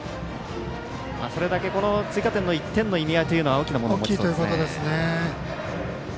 それだけ追加点の１点の意味合いは大きいものを持つということですね。